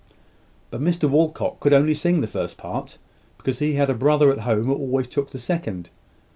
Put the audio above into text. But Mr Walcot could sing only the first part, because he had a brother at home who always took the second.